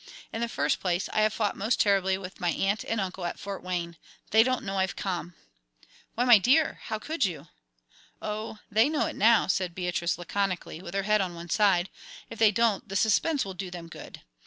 In the first place, I have fought most terribly with my aunt and uncle at Fort Wayne. They don't know I've come." "Why, my dear! How could you?" "Oh, they know it now," said Beatrice, laconically, with her head on one side. "If they don't, the suspense will do them good.